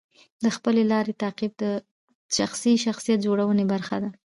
د خپلې لارې تعقیب د شخصي شخصیت جوړونې برخه ده.